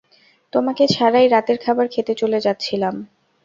তোমাকে ছাড়াই রাতের খাবার খেতে চলে যাচ্ছিলাম।